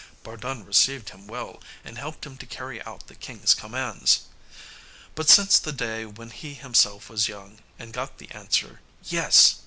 Bardun received him well, and helped him to carry out the king's commands. But since the day when he himself was young, and got the answer, "Yes!"